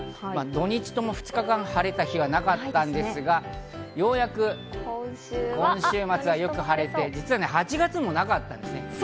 土日とも２日間晴れた日はなかったんですが、ようやく今週末はよく晴れて、実は８月もなかったんですね。